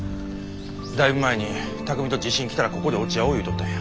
だいぶ前に巧海と地震来たらここで落ち合おうって言うとったんや。